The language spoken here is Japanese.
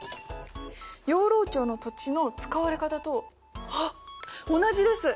養老町の土地の使われ方とあっ同じです！